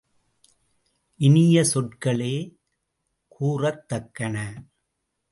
இனிய சொற்களே கூறத்தக்கன!